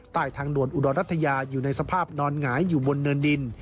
ใต้ทางด่วนอุดรรัฐยาอยู่ในสภาพนอนหงายอยู่บนเนินดิน